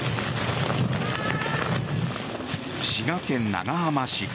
滋賀県長浜市。